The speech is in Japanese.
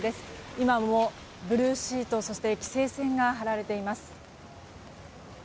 今もブルーシートそして規制線が張られています。